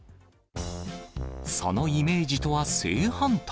そのイメージとは正反対。